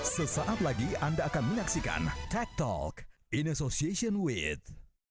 sesaat lagi anda akan menyaksikan tech talk in association with